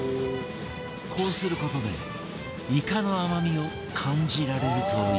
こうする事でイカの甘みを感じられるという